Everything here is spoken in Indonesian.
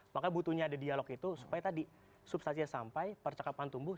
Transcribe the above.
maka butuhnya ada dialog itu supaya tadi substansinya sampai percakapan tumbuh